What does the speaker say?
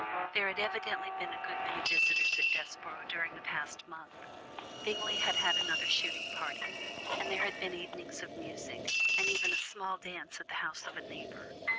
There had evidently been a good many visitors at Desborough during the past month; Bingley had had another shooting party, and there had been evenings of music, and even a small dance at the house of a neighbour.